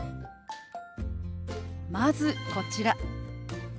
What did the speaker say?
まずこちら。